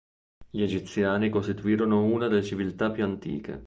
Gli egiziani costituirono una delle civiltà più antiche.